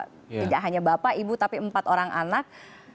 tidak hanya bapak ibu tapi empat orang anak